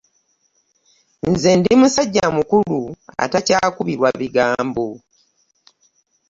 Nze ndi musajja mukulu atakyakubirwa bigambo.